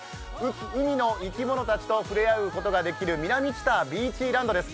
海の生き物たちと触れ合うことができる南知多ビーチランドです。